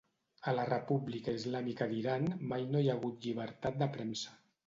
A la República Islàmica d'Iran mai no hi ha hagut llibertat de premsa.